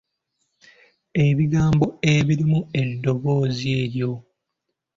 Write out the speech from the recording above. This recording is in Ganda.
Ebigambo ebirimu eddoboozi eryo.